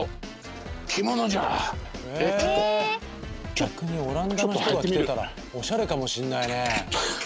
逆にオランダの人が着てたらおしゃれかもしれないね。